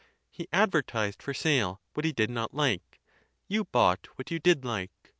He advei*tised for sale what he did not Hke ; you bought what you did hke.